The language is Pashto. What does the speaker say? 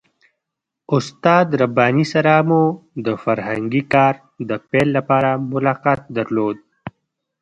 استاد رباني سره مو د فرهنګي کار د پیل لپاره ملاقات درلود.